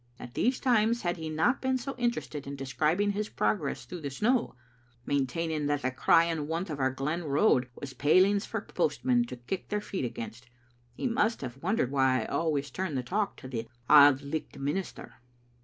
At these times had he not been so interested in describing his progress through the snow, maintaining that the crying want of our glen road was palings for postmen to kick their feet against, he must have wondered why I always turned the talk to the Auld Licht minister.